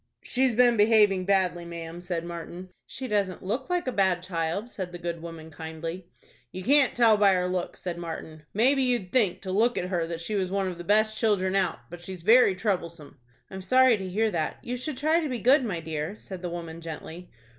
"She's been behaving badly, ma'am," said Martin. "She doesn't look like a bad child," said the good woman, kindly. "You can't tell by her looks," said Martin. "Maybe you'd think, to look at her, that she was one of the best children out; but she's very troublesome." "I'm sorry to hear that. You should try to be good, my dear," said the woman, gently.